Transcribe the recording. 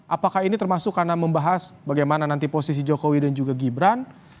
apakah ini termasuk karena membahas bagaimana nanti posisi jokowi dan juga gibran